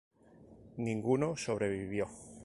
Ninguno sobrevivió.